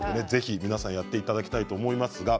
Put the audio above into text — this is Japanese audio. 皆さん、ぜひやっていただきたいと思います。